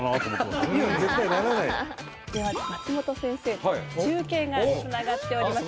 では松本先生と中継がつながっております。